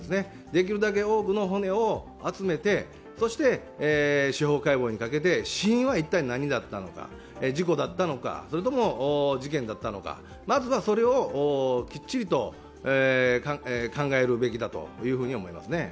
できるだけ多くの骨を集めて、そして司法解剖にかけて死因は何だったのか事故だったのか、それとも事件だったのか、まずはそれをきっちりと考えるべきだと思いますね。